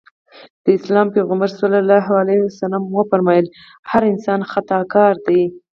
د اسلام پيغمبر ص وفرمایل هر انسان خطاکار دی.